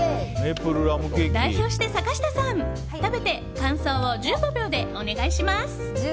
代表して坂下さん、食べて感想を１５秒でお願いします。